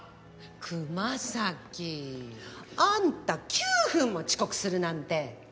熊咲。あんた９分も遅刻するなんて！